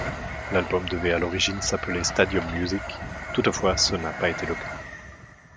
L'album devait à l'origine s'appeler Stadium Music, toutefois cela n'a pas été le cas.